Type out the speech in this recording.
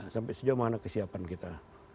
sampai sejauh mana kesiapan kita